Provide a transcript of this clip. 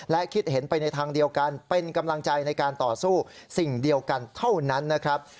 และคิดเห็นไปในทางเดียวกันเป็นกำลังใจในการต่อสู้สิ่งเดียวกันเท่านั้นนะครับ